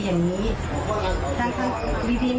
และตอมหาอีกกะสันให้พี่หน่อย